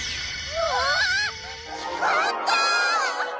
うわっひかった！